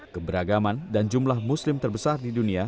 keberagaman dan jumlah muslim terbesar di dunia